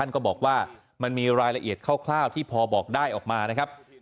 ก็บอกว่ามันมีรายละเอียดคร่าวที่พอบอกได้ออกมานะครับ